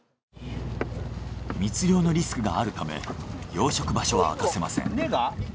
密漁のリスクがあるため養殖場所は明かせません。